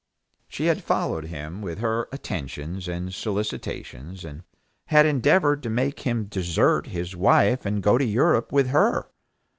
She had followed him with her attentions and solicitations, and had endeavored to make him desert his wife and go to Europe with her.